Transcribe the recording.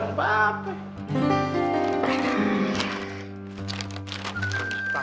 oke gue mau ke kantin